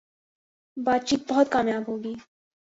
باتچیت بہت کامیاب ہو گی